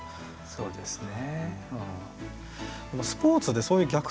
そうですね。